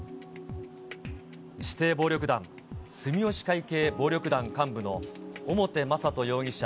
指定暴力団住吉会系暴力団幹部の表雅人容疑者